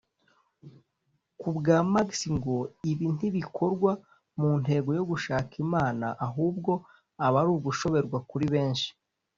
Ku bwa Marx ngo ibi ntibikorwa mu ntego yo gushaka Imana ahubwo aba ari ugushoberwa kuri benshi